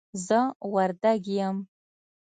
زه وردګ یم